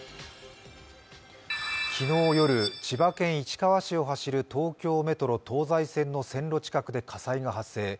昨日夜、千葉県市川市を走る東京メトロ東西線の線路近くで火災が発生。